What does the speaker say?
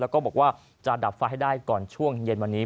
แล้วก็บอกว่าจะดับไฟให้ได้ก่อนช่วงเย็นวันนี้